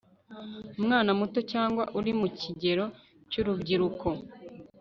umwana muto cyangwa uri mu kigero cyurubyiruko